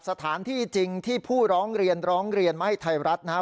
สถานที่จริงที่ผู้ร้องเรียนร้องเรียนมาให้ไทยรัฐนะครับ